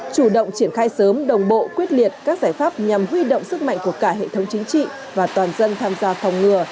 chủ động triển khai sớm đồng bộ quyết liệt các giải pháp nhằm huy động sức mạnh của cả hệ thống chính trị và toàn dân tham gia phòng ngừa